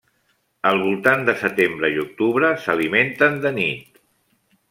Al voltant de setembre i octubre s’alimenten de nit.